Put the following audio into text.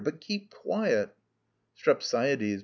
But come, keep quiet. STREPSIADES.